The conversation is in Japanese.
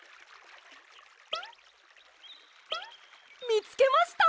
みつけました！